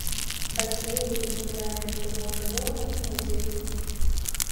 Басейн і генеральная прыборка дома ў нядзелю.